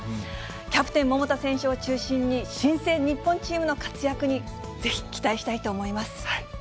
キャプテン、桃田選手を中心に、新生日本チームの活躍にぜひ期待したいと思います。